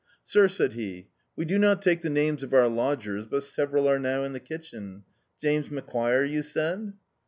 "Sir," said he, "we do not take the names of our lodgers, but several are now in the kitchen. James Macquire, you said?"